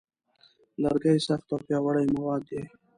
لرګی سخت او پیاوړی مواد دی.